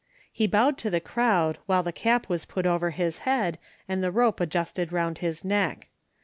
He bowed to the crowd while the cap was put over his head and the rope adjusted round his neck.